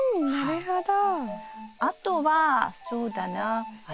あとはそうだなあ